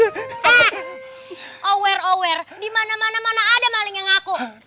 eh aware aware dimana mana mana ada maling yang ngaku